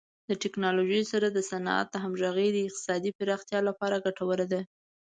د ټکنالوژۍ سره د صنعت همغږي د اقتصادي پراختیا لپاره ګټوره ده.